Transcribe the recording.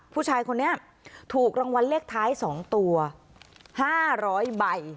ผู้ชายคนนี้ถูกรางวัลเล็กท้ายสองตัวห้าร้อยใบ